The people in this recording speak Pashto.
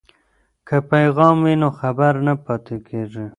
که پیغام وي نو خبر نه پاتې کیږي.